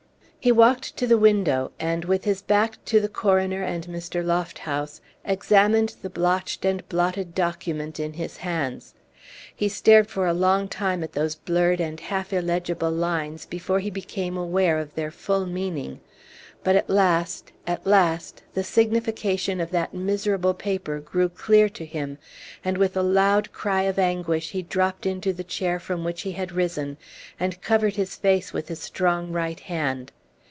He walked to the window, and with his back to the coroner and Mr. Lofthouse, examined the blotched and blotted document in his hands. He stared for a long time at those blurred and half illegible lines before he became Page 138 aware of their full meaning. But at last, at last, the signification of that miserable paper grew clear to him, and with a loud cry of anguish he dropped into the chair from which he had risen, and covered his face with his strong right hand.